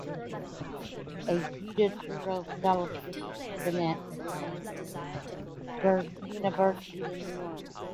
A Judah Touro Scholarship is given at Tulane University in New Orleans.